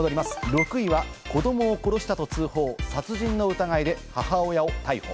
６位は子どもを殺したと通報、殺人の疑いで母親を逮捕。